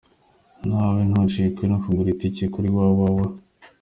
Nawe ntucikwe no kugura itike kuri www.